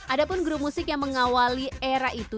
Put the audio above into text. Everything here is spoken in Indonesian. ada pun grup musik yang mengawali era itu